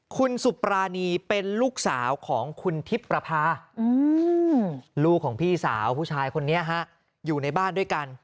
คุณสุปรานีเป็นลูกสาวของคุณทิพย์ประพาลูกของพี่สาวผู้ชายคนนี้ฮะอยู่ในบ้านด้วยกัน